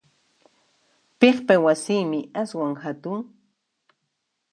Piqpa wasinmi aswan hatun?